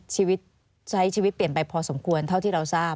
ใช้ชีวิตเปลี่ยนไปพอสมควรเท่าที่เราทราบ